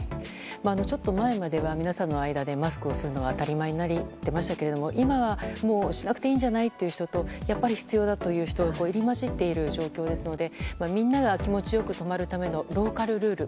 ちょっと前までは皆さんの間でマスクをするのが当たり前になっていましたけど今はもうしなくていいんじゃないという人とやっぱり必要だという人が入り混じっている状況ですのでみんなが気持ち良く泊まるためのローカルルール